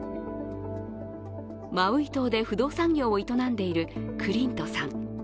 マウイ島で不動産業を営んでいるクリントさん。